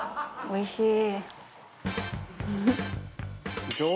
おいしい！